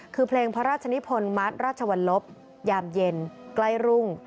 คือเพลงพระราชนิพลมัดราชวรรลบยามเย็นใกล้รุ่ง